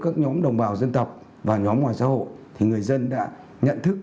các nhóm đồng bào dân tộc và nhóm ngoài xã hội thì người dân đã nhận thức